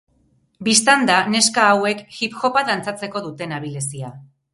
Bistan da neska hauek hip hopa dantzatzeko duten abilezia.